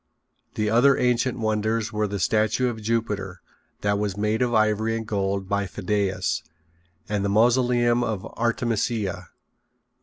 The other ancient wonders were the Statue of Jupiter that was made of ivory and gold by Phidias, and the Mausoleum of Artemisia.